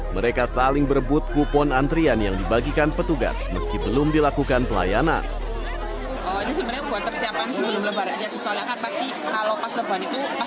mereka saling berebut kupon antrian yang dibagikan petugas meski belum dilakukan pelayanan